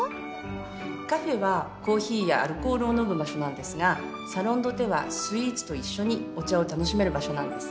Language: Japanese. カフェはコーヒーやアルコールを飲む場所なんですがサロン・ド・テはスイーツと一緒にお茶を楽しめる場所なんです。